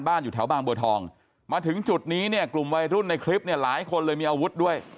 อยู่แถวบางบัวทองมาถึงจุดนี้เนี่ยกลุ่มวัยรุ่นในคลิปเนี่ยหลายคนเลยมีอาวุธด้วย